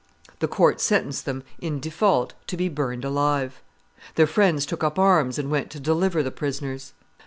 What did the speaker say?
The court sentenced them, in default, to be burned alive. Their friends took up arms and went to deliver the prisoners.